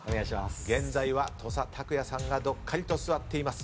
現在は土佐卓也さんがどっかりと座っています。